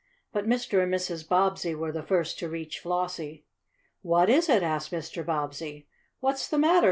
But Mr. and Mrs. Bobbsey were the first to reach Flossie. "What is it?" asked Mr. Bobbsey. "What's the matter?"